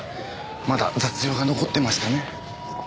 まだ雑用が残ってましたね。